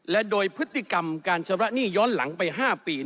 และโดยพฤติกรรมการชำระหนี้ย้อนหลังไป๕ปี